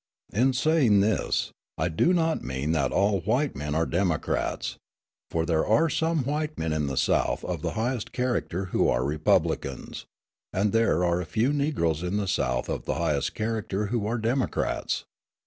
In saying this, I do not mean that all white men are Democrats; for there are some white men in the South of the highest character who are Republicans, and there are a few Negroes in the South of the highest character who are Democrats.